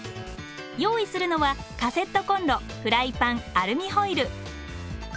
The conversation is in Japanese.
用意するのはカセットコンロフライパンアルミホイル。